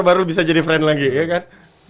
baru bisa jadi friend lagi ya kan